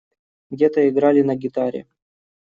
Где-то играли на гитаре.